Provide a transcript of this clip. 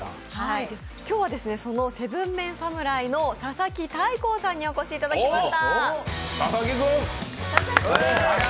今日は、その７ＭＥＮ侍の佐々木大光さんにお越しいただきました。